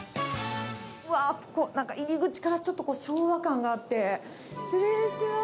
わー、ここ、なんか入り口からちょっと昭和感があって、失礼します。